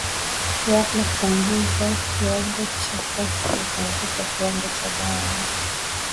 kighafla kupunguza kiwango kwa kasi upungufu wa kiwango cha dawa ya